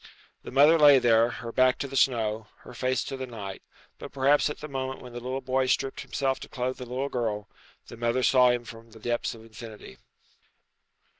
The mother lay there, her back to the snow, her face to the night; but perhaps at the moment when the little boy stripped himself to clothe the little girl, the mother saw him from the depths of infinity.